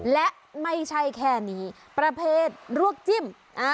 และไม่ใช่แค่นี้ประเภทรวกจิ้ม